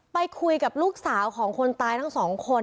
ไปคุยกับลูกสาวของคนตายทั้งสองคน